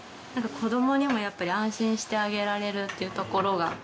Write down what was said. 子供にもやっぱり安心してあげられるっていうところが。